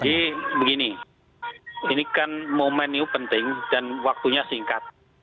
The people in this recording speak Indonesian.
jadi begini ini kan momennya penting dan waktunya singkat